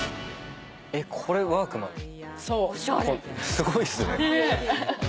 すごいっすね。